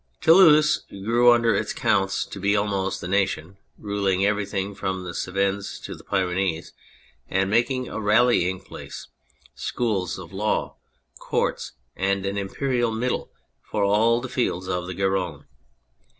Toulouse grew under its counts to be almost a nation, ruling everything from the Cevennes to the Pyrenees, and making a rallying place, schools, law courts, and an imperial middle for all the fields of the Garonne.